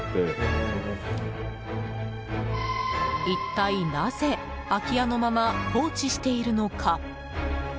一体なぜ空き家のまま放置しているのか？